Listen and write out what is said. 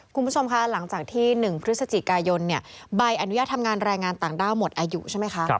คุณผู้ชมคะหลังจากที่๑พฤศจิกายนใบอนุญาตทำงานแรงงานต่างด้าวหมดอายุใช่ไหมคะ